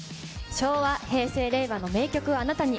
昭和、平成、令和の名曲をあなたに。